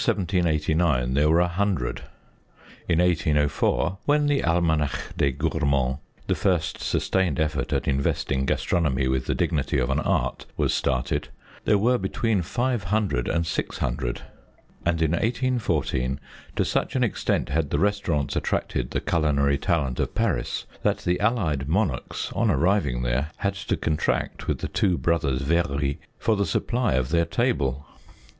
In 1789 there were a hundred. In 1804 (when the Almanack des gour mands, the first sustained effort at investing gastronomy with the dignity of an art, was started) there were between 500 and 600. And in 1814, to such an extent had the restaurants at'tracted the culinary talent of Paris, that the allied monarchs, on arriving there, had to contract with the two brothers Very for the supply of their table.